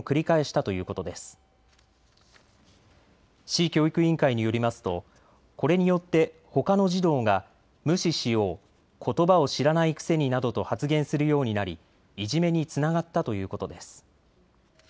市教育委員会によりますとこれによってほかの児童が無視しよう、ことばを知らないくせになどと発言するようになりいじめにつながったということです。